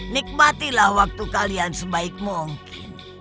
nikmatilah waktu kalian sebaik mungkin